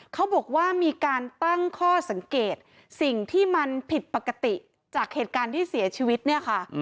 เขาบอกว่ามีการตั้งข้อสังเกตสิ่งที่มันผิดปกติจากเหตุการณ์ที่เสียชีวิตเนี่ยค่ะ